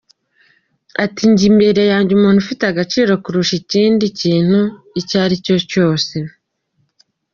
Ati: “ Njye imbere yanjye umuntu afite agaciro kurusha ikindi kintu icyari cyo cyose.